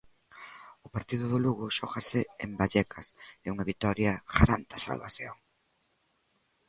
O partido do Lugo xógase en Vallecas, e unha vitoria garante a salvación.